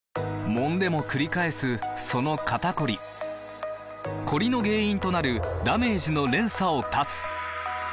もんでもくり返すその肩こりコリの原因となるダメージの連鎖を断つ！